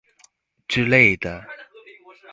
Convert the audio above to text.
之類的